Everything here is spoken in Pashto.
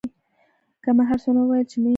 که ما هرڅومره وویل چې نه یې څښم.